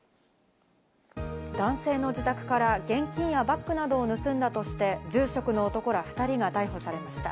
男性の自宅から現金やバッグなどを盗んだとして、住職の男ら２人が逮捕されました。